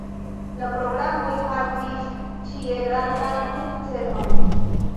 La programoj havis ĉie grandan sukceson.